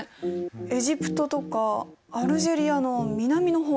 エジプトとかアルジェリアの南の方とか。